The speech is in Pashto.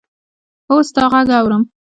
هو! ستا ږغ اورم.